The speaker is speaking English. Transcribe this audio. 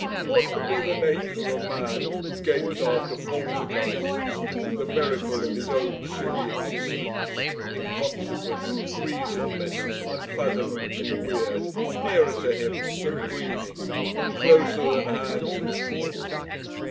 What can be the nature of a man who gapes after Poltergeists with the miracle of his own silly existence (inconsequent, reasonless, unfathomably weird) nearer to him than breathing and closer than hands and feet.